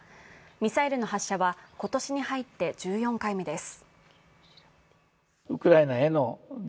ミサイルの発射は今年に入って１４回目です。